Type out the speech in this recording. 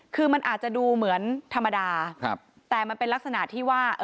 คือมันอาจจะดูเหมือนธรรมดาครับแต่มันเป็นลักษณะที่ว่า